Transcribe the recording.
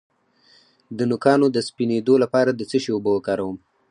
د نوکانو د سپینیدو لپاره د څه شي اوبه وکاروم؟